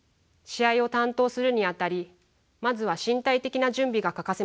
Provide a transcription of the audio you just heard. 試合を担当するにあたりまずは身体的な準備が欠かせません。